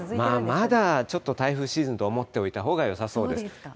まだちょっと、台風シーズンと思っておいたほうがよさそうです。